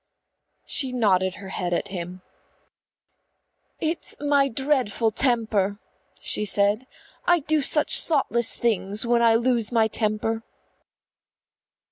She nodded her head at him. "It's my dreadful temper," she said. "I do such thoughtless things when I lose my temper."